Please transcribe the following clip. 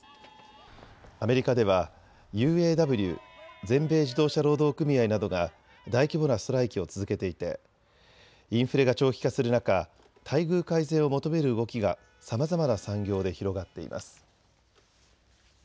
アメリカではＵＡＷ・全米自動車労働組合などが大規模なストライキを続けていてインフレが長期化する中、待遇改善を求める動きがさまざまな産業で広がっています。